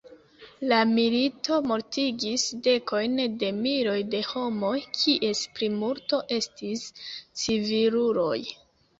La milito mortigis dekojn de miloj de homoj, kies plimulto estis civiluloj.